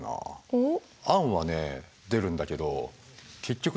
おっ。